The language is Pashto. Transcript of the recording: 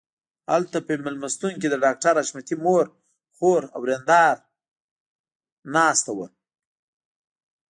هلته په مېلمستون کې د ډاکټر حشمتي مور خور او ورېندار ناست وو